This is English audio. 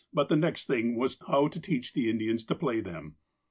But the next thing was how to teach the Indians to play on them.